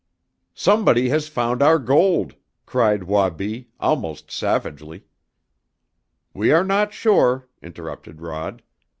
"Somebody has found our gold!" cried Wabi, almost savagely. "We are not sure," interrupted Rod.